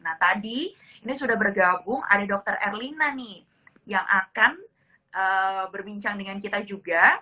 nah tadi ini sudah bergabung ada dr erlina nih yang akan berbincang dengan kita juga